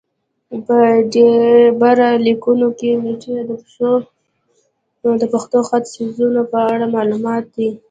په ډبرلیکونو کې نېټې د پېښو خط سیرونو په اړه معلومات دي